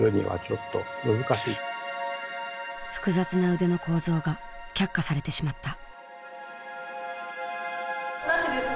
複雑な腕の構造が却下されてしまった。